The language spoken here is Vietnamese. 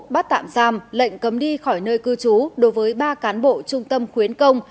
bắt tạm giam lệnh cấm đi khỏi nơi cư trú đối với ba cán bộ trung tâm khuyến công